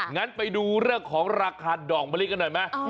งั้นไปดูเรื่องของราคาดอกมะลิกันหน่อยไหม